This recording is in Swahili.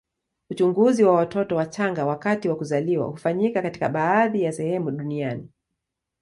Uchunguzi wa watoto wachanga wakati wa kuzaliwa hufanyika katika baadhi ya sehemu duniani.